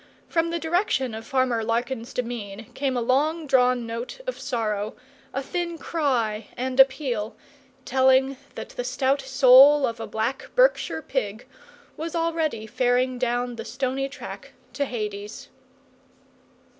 From the direction of Farmer Larkin's demesne came a long drawn note of sorrow, a thin cry and appeal, telling that the stout soul of a black Berkshire pig was already faring down the stony track to Hades.